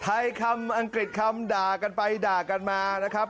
คำอังกฤษคำด่ากันไปด่ากันมานะครับ